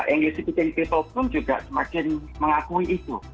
english speaking people pun juga semakin mengakui itu